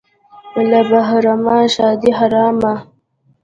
- له بهرامه ښادي حرامه.